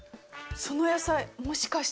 その野菜もしかして。